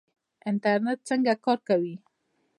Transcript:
انټرنیټ څنګه کار کوي؟